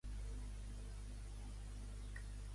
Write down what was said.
Ell i el Ravel es van passar la visita perseguint estrangeres.